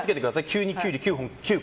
急にきゅうり９本食う。